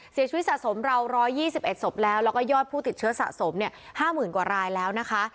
สะสมเรา๑๒๑ศพแล้วแล้วก็ยอดผู้ติดเชื้อสะสม๕๐๐๐กว่ารายแล้วนะคะ